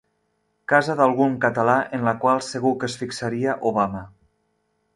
Casa d'algun català en la qual segur que es fixaria Obama.